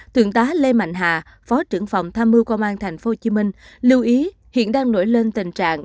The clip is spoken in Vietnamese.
thượng tá lê mạnh hà phó trưởng phòng tham mưu công an tp hcm lưu ý hiện đang nổi lên tình trạng